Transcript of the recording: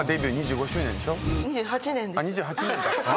２８年だ。